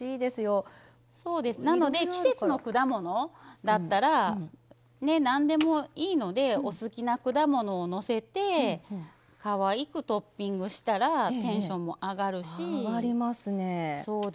なので季節の果物だったらなんでもいいのでお好きな果物をのせてかわいくトッピングしたらテンションも上がるし。